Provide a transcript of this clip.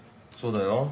そうだよ。